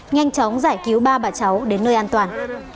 nhanh chóng giải cứu ba bà cháu đến nơi an toàn